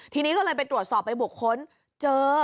ทีนี้ก็เลยไปตรวจสอบไปบุคคลเจอ